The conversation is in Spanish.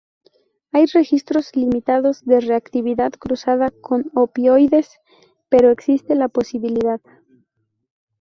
Hay registros limitados de reactividad cruzada con opioides, pero existe la posibilidad.